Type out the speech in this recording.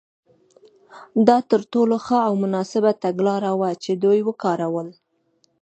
دا تر ټولو ښه او مناسبه تګلاره وه چې دوی وکارول.